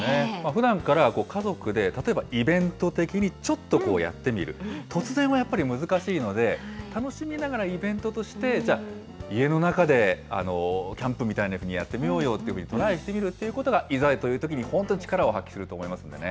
ふだんから家族で例えばイベント的にちょっとやってみる、突然はやっぱり難しいので、楽しみながら、イベントとして、じゃあ、家の中でキャンプみたいなふうにやってみようよっていうふうにトライしてみるっていうことが、いざっていうときに本当に力を発揮すると思いますんでね。